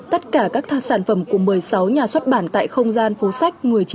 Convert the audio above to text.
tất cả các sản phẩm của một mươi sáu nhà xuất bản tại không gian phố sách